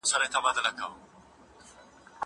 زه اوږده وخت پاکوالي ساتم وم.